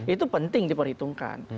itu penting diperhitungkan